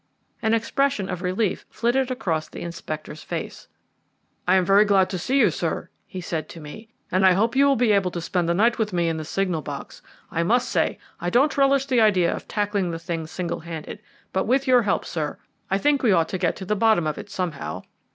An expression of relief flitted across the inspector's face. "I am very glad to see you, sir," he said to me, "and I hope you will be able to spend the night with me in the signal box. I must say I don't much relish the idea of tackling the thing single handed; but with your help, sir, I think we ought to get to the bottom of it somehow.